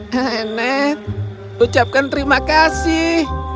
hehehe nek ucapkan terima kasih